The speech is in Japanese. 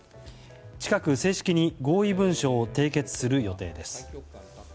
近く正式に合意文書を締結する予定です。